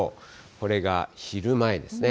これが昼前ですね。